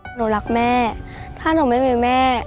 หนูรักแม่ถ้าหนูไม่มีแม่